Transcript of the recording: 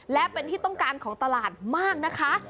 และเป็นที่ต้องการของตลาดมากนะคะ